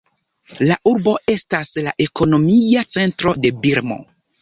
La urbo estas la ekonomia centro de Birmo.